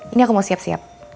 ini aku mau siap siap